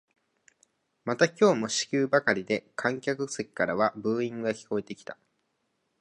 また今日も四球ばかりで観客席からはブーイングが聞こえてきた